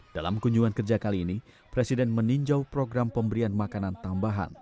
dalam kunjungan kerja kali ini presiden meninjau program pemberian makanan tambahan